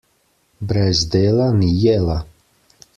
Brez dela ni jela.